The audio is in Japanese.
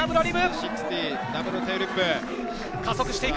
３６０ダブルテールウィップ。